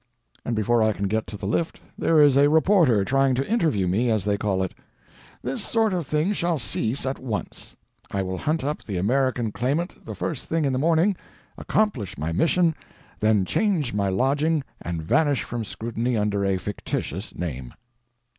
and before I can get to the lift there is a reporter trying to interview me as they call it. This sort of thing shall cease at once. I will hunt up the American Claimant the first thing in the morning, accomplish my mission, then change my lodging and vanish from scrutiny under a fictitious name."